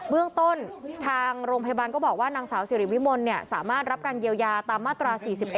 เรื่องต้นทางโรงพยาบาลก็บอกว่านางสาวสิริวิมลสามารถรับการเยียวยาตามมาตรา๔๑